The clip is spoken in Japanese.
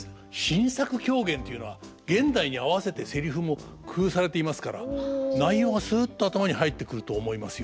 新作狂言というのは現代に合わせてセリフも工夫されていますから内容がすっと頭に入ってくると思いますよ。